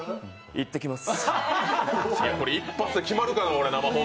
行ってきます。